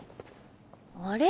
あれ？